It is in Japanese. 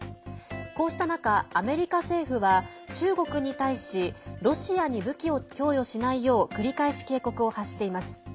こうした中、アメリカ政府は中国に対しロシアに武器を供与しないよう繰り返し警告を発しています。